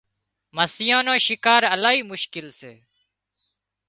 مسيان نوشڪار الاهي مشڪل سي